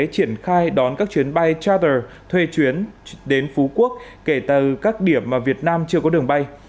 triển khai đón các chuyến bay trader thuê chuyến đến phú quốc kể từ các điểm mà việt nam chưa có đường bay